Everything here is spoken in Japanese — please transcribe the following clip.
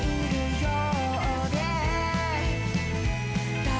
よう。